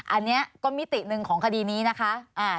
อันนี้ก็มิติหนึ่งของคดีนี้นะคะ